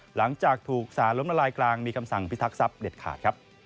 หลังจากถูกสารล้มละลายกลางมีคำสั่งพิทักษัพเด็ดขาดครับ